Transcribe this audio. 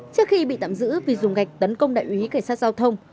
trước khi bị tạm giữ vì dùng gạch tấn công đại úy cảnh sát giao thông